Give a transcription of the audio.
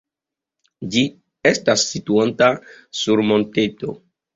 Ĝi estas situanta sur monteto.